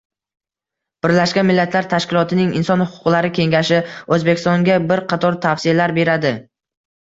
Birlashgan Millatlar Tashkilotining Inson huquqlari kengashi O'zbekistonga bir qator tavsiyalar beradi